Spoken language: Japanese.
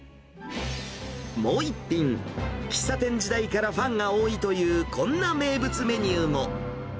もう１品、喫茶店時代からファンが多いという、こんな名物メニューも。